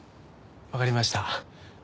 わかりました。